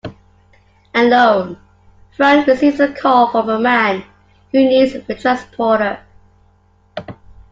Alone, Frank receives a call from a man who needs a transporter.